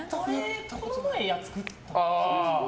この前作った。